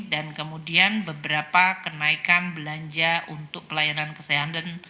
dan kemudian beberapa kenaikan belanja untuk pelayanan kesehatan